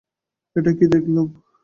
এটা কি দেখলাম?